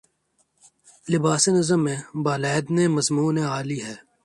لباسِ نظم میں بالیدنِ مضمونِ عالی ہے